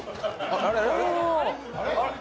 あれ？